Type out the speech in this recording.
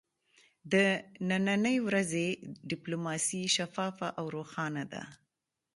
د ننی ورځې ډیپلوماسي شفافه او ښکاره ده